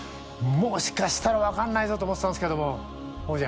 もしかしたら分かんないぞと思ってたんですけども王者。